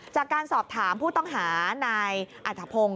จากการสอบถามผู้ต้องหานายอัธพงศ์